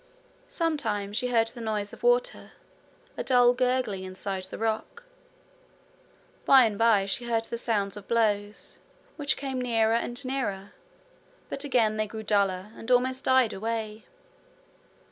Sometimes she heard the noise of water, a dull gurgling inside the rock. By and by she heard the sounds of blows, which came nearer and nearer; but again they grew duller, and almost died away.